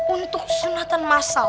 untuk sunatan massal